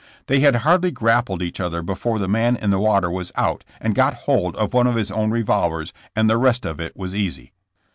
They had hardly grappled each other before the man in the water was out and got hold of one of his own re volvers, and the rest of it was easy.